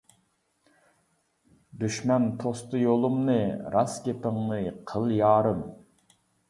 دۈشمەن توستى يولۇمنى، راست گېپىڭنى قىل يارىم.